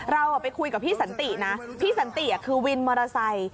เราไปคุยกับพี่สันตินะพี่สันติคือวินมอเตอร์ไซค์